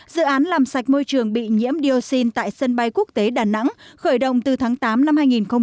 dự án làm sạch môi trường bị nhiễm dioxin tại sân bay quốc tế đà nẵng khởi động từ tháng tám năm hai nghìn tám